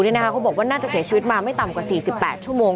เขาบอกว่าน่าจะเสียชีวิตมาไม่ต่ำกว่า๔๘ชั่วโมง